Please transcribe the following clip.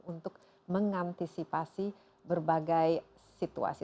untuk mengantisipasi berbagai situasi